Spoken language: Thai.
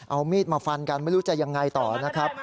เอามีดมาฟันกันไม่รู้จะยังไงต่อนะครับ